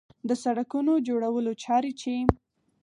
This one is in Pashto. د سړکونو جوړولو چارې چې